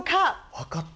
分かった。